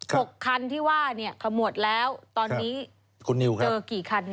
หกคันที่ว่าเนี่ยขมวดแล้วตอนนี้คุณนิวครับเจอกี่คัน